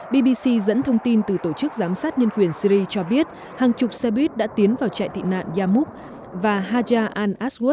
bbc dẫn thông tin từ tổ chức giám sát nhân quyền syri cho biết hàng chục xe buýt đã tiến vào trại tị nạn yamuk và haja al asgw